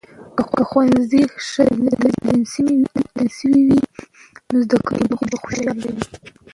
که ښوونځي ښه تنظیم شوي وي، نو زده کونکې به خوشاله وي.